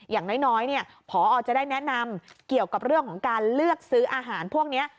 อย่างน้อยพอจะได้แนะนำเกี่ยวกับเรื่องของการเลือกซื้ออาหารพวกนี้